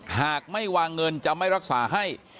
หากไม่วางเงินจะไม่รักษาให้